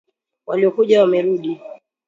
Waliokuja wamerudi.